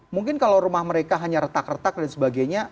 mungkin kalau rumah mereka hanya retak retak dan sebagainya